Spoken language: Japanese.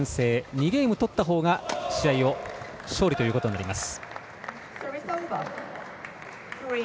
２ゲーム取ったほうが試合を勝利ということになります。